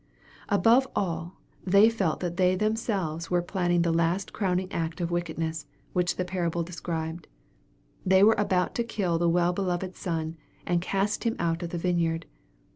Above all, they felt that they themselves were planning the last crowning act of wickedness, which the parable described. They were about to kill the well beloved Son, and " cast Him out of the vineyard."